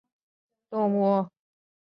羚角密刺蟹为蜘蛛蟹科密刺蟹属的动物。